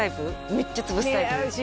めっちゃ潰すタイプです